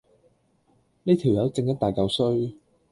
呢條友正一大嚿衰